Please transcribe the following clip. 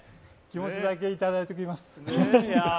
気持ちだけいただいておきます。